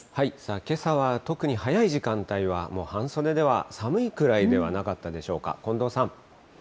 けさは特に早い時間帯は、もう半袖では寒いくらいではなかったでしょうか。